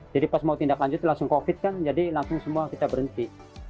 jadi pas mau tindak lanjut langsung covid kan jadi langsung semua kita berhenti